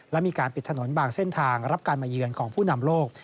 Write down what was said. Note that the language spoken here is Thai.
และมีการปิดถนนบางเส้นทางรับการมาเยือนของผู้นำโลก